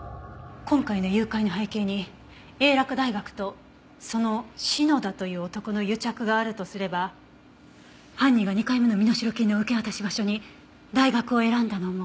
今回の誘拐の背景に英洛大学とその篠田という男の癒着があるとすれば犯人が２回目の身代金の受け渡し場所に大学を選んだのも。